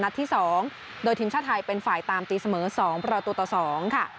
ที่๒โดยทีมชาติไทยเป็นฝ่ายตามตีเสมอ๒ประตูต่อ๒ค่ะ